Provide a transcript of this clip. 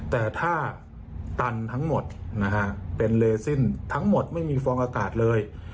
แต่ถ้าตันทั้งหมดนะฮะเป็นเลซินทั้งหมดไม่มีฟองอากาศเลย